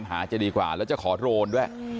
ไปตามหาจะดีกว่าแล้วจะขอโรนด้วย